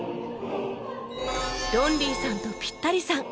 ロンリーさんとピッタリさん